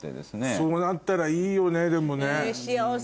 そうなったらいいよねでもね。